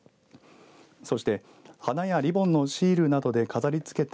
そして花やリボンのシールなどで飾りつけた